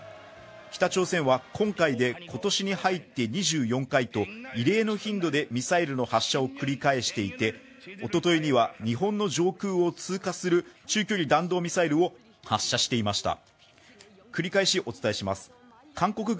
北朝鮮は今回で、今年に入って２４回と異例の頻度でミサイルの発射を繰り返していておとといには日本の上空を通過する中距離弾道ミサイルを発射していました。